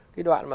cái đoạn mà